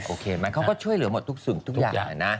โอเคไหมเขาก็ช่วยเหลือหมดทุกสิ่งทุกอย่างนะ